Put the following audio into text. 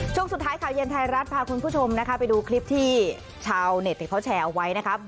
ช่วงสุดท้ายข่าวเย็นไทยรัฐพาคุณผู้ชมนะคะไปดูคลิปที่ชาวเน็ตเขาแชร์เอาไว้นะครับ